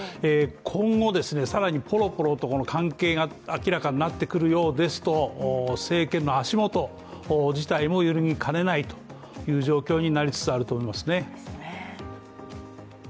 今後、更にぽろぽろと関係が明らかになってくるようですと、政権の足元自体も揺らぎかねないという状況になりつつありますね。